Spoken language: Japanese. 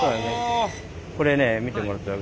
これね見てもらったら。